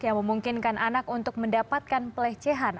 yang memungkinkan anak untuk mendapatkan pelecehan